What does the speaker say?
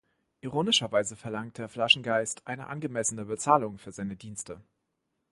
Ironischerweise verlangt der Flaschengeist eine angemessene Bezahlung für seine Dienste.